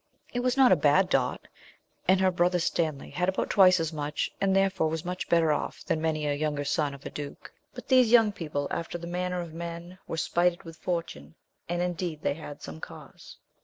It was not a bad dot; and her Brother Stanley had about twice as much, and therefore was much better off than many a younger son of a duke. But these young people, after the manner of men were spited with fortune; and indeed they had some cause.